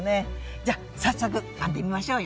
じゃ早速編んでみましょうよ。